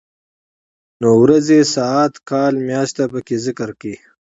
نو ورځې ،ساعت، کال ،مياشت پکې ذکر کړي.